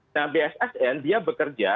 nah bssn dia bekerja